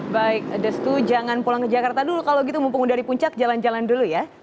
baik destu jangan pulang ke jakarta dulu kalau gitu mumpung dari puncak jalan jalan dulu ya